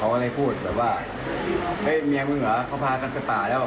ก็เลยพูดแบบว่าเฮ้ยเมียมึงเหรอเขาพากันไปป่าแล้ว